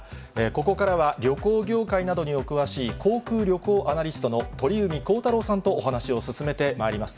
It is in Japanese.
ここからは旅行業界などにお詳しい、航空・旅行アナリストの鳥海高太朗さんとお話を進めてまいります。